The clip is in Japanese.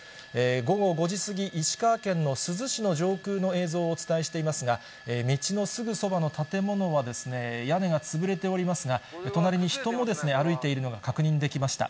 午後５時過ぎ、石川県の珠洲市の映像をお伝えしていますが、道のすぐそばの建物は、屋根が潰れておりますが、隣に人も歩いているのが確認できました。